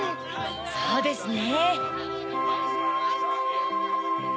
そうですね。